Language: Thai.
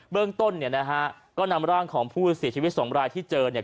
เรื่องต้นเนี่ยนะฮะก็นำร่างของผู้เสียชีวิตสองรายที่เจอเนี่ย